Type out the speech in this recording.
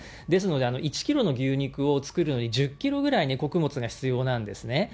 ですので、１キロの牛肉を作るのに１０キロぐらいね、穀物が必要なんですね。